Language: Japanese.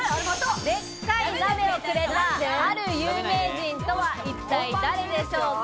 でっかい鍋をくれた、ある有名人とは一体誰でしょうか？